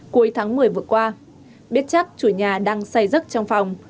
cuối tháng một mươi vừa qua biết chắc chủ nhà đang say rớt trong phòng